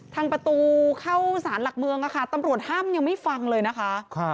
ทางประตูเข้าสารหลักเมืองตำรวจห้ามยังไม่ฟังเลยนะคะ